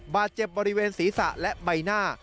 บาดเจ็บบริเวณศีรษะและใบหน้า